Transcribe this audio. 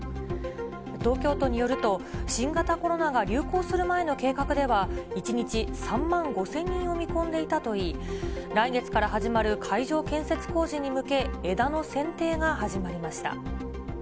東京都によると、新型コロナが流行する前の計画では、１日３万５０００人を見込んでいたといい、来月から始まる会場建設工事に向け、枝のせんていが始まりました。